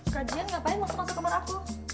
kajian ngapain masuk masuk ke rumah aku